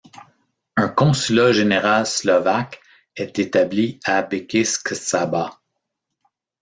Un consulat général slovaque est établi à Békéscsaba.